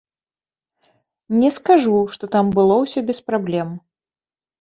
Не скажу, што там было ўсё без праблем.